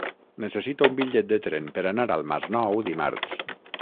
Necessito un bitllet de tren per anar al Masnou dimarts.